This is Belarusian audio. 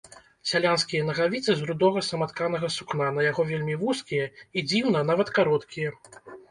Сялянскія нагавіцы з рудога саматканага сукна, на яго вельмі вузкія і, дзіўна, нават кароткія.